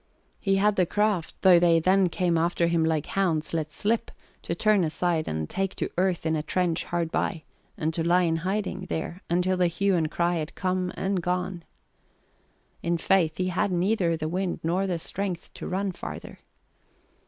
He had the craft, though they then came after him like hounds let slip, to turn aside and take to earth in a trench hard by, and to lie in hiding there until the hue and cry had come and gone. In faith, he had neither the wind nor the strength to run farther.